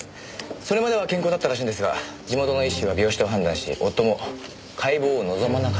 それまでは健康だったらしいんですが地元の医師は病死と判断し夫も解剖を望まなかったそうです。